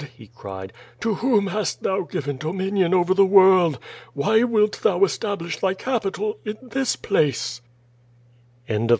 '' he cried, '*to whom hast Tliou given do minion oW the world? Why wilt Thou establish Thy capi tal in this place?"